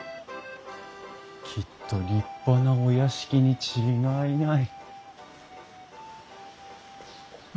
きっと立派なお屋敷に違いない。